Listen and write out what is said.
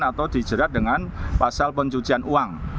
atau dijerat dengan pasal pencucian uang